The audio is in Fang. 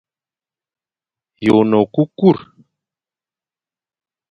Yô e ne ékukur.